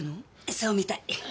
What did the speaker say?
そうみたい。